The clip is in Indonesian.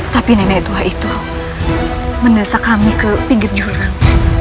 tapi nenek tua itu mendesak kami ke pinggir jurang